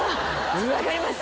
「わかります！」